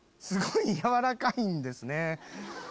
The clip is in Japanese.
すごい柔らかいんですね。